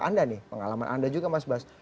anda nih pengalaman anda juga mas bas